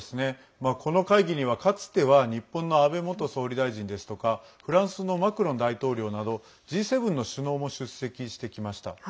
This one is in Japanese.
この会議には、かつては日本の安倍元総理大臣ですとかフランスのマクロン大統領などＧ７の首脳も出席してきました。